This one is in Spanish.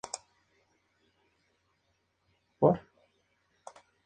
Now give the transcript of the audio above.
Pero el Torino no pudo clasificar y tampoco largar la final del domingo.